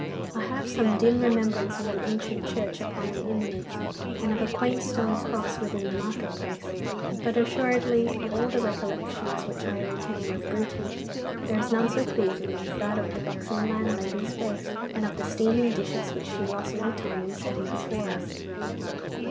I have some dim remembrance of an ancient church upon an eminence, and of a quaint stone cross within the market place, but assuredly, of all the recollections which I retain of Bruton there is none so pleasing as that of the buxom landlady's face, and of the steaming dishes which she lost no time in setting before us.